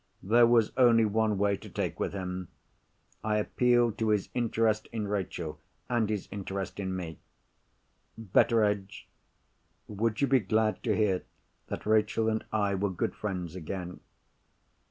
There was only one way to take with him. I appealed to his interest in Rachel, and his interest in me. "Betteredge, would you be glad to hear that Rachel and I were good friends again?"